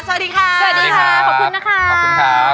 สวัสดีค่ะขอบคุณค่ะ